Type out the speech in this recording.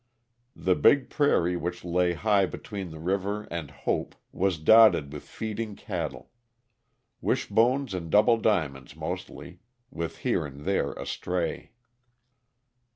The big prairie which lay high between the river and Hope was dotted with feeding cattle. Wishbones and Double Diamonds, mostly, with here and there a stray.